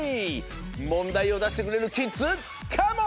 もんだいをだしてくれるキッズカモン！